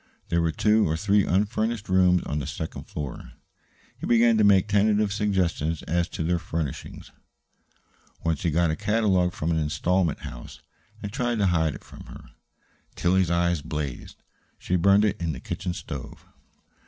There were two or three unfurnished rooms on the second floor. He began to make tentative suggestions as to their furnishing. Once he got a catalogue from an installment house, and tried to hide it from her. Tillie's eyes blazed. She burned it in the kitchen stove.